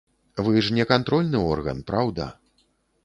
Вы ж не кантрольны орган, праўда?